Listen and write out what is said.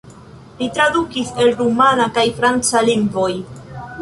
Li tradukis el rumana kaj franca lingvoj.